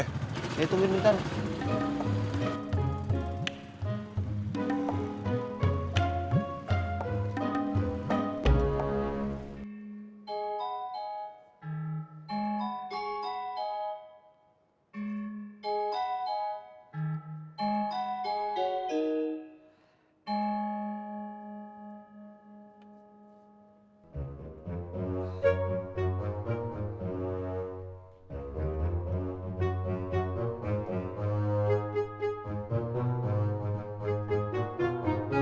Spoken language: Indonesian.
eh tungguin bentar